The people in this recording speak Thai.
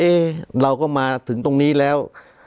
เราก็มาถึงตรงนี้แล้ว